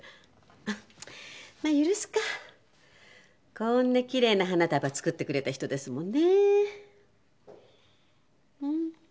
こんなきれいな花束作ってくれた人ですもんね。